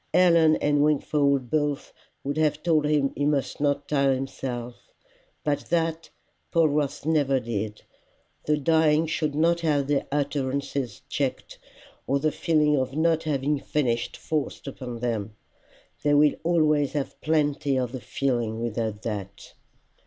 Helen and Wingfold both would have told him he must not tire himself, but that Polwarth never did. The dying should not have their utterances checked, or the feeling of not having finished forced upon them. They will always have plenty of the feeling without that.